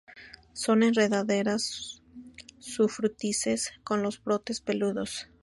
Son enredaderas sufrútices con los brotes peludos.